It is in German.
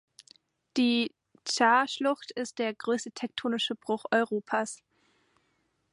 Die Cha-Schlucht ist der größte tektonische Bruch Europas.